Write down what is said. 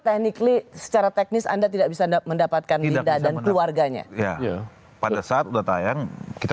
teknikly secara teknis anda tidak bisa mendapatkan linda dan keluarganya ya pada saat udah tayang kita